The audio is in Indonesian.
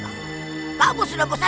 kamu masih harus bertanya kepada aku